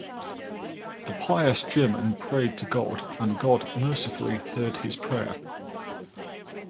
The pious German prayed to God, and God mercifully heard his prayer.